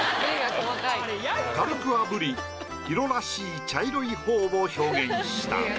軽くあぶりＨＩＲＯらしい茶色い頬を表現した。